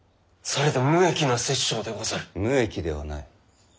無益ではない。